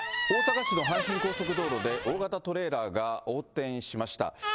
大阪市の阪神高速道路で、大型トレーラーが横転しました。